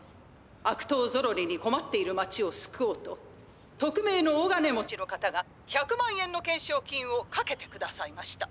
あくとうゾロリにこまっている町をすくおうととくめいの大金持ちの方が１００万円の懸賞金をかけてくださいました」。